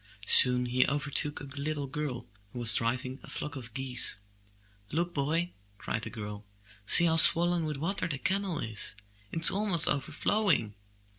Soon he overtook a little girl who was driving a flock of geese. ''Look, boy! cried the girl. ''See how swollen with water the canal is! It is almost overflowing.